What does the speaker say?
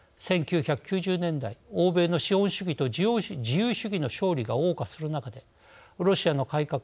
１９９０年代欧米の資本主義と自由主義の勝利がおう歌する中でロシアの改革